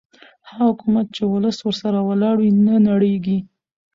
هغه حکومت چې ولس ورسره ولاړ وي نه نړېږي